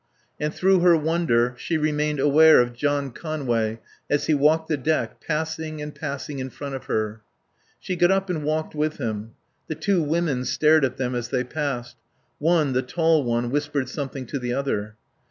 And through her wonder she remained aware of John Conway as he walked the deck, passing and passing in front of her. She got up and walked with him. The two women stared at them as they passed. One, the tall one, whispered something to the other.